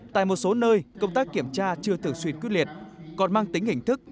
tại một số nơi công tác kiểm tra chưa thường xuyên quyết liệt còn mang tính hình thức